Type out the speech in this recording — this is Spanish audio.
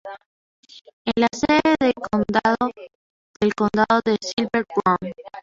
Es la sede de condado del condado de Silver Bow.